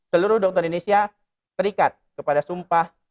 seluruh dokter indonesia terikat kepada sumpah